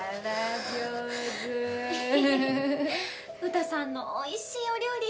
詩さんのおいしいお料理